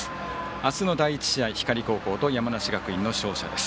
明日の第１試合光高校と山梨学院の勝者です。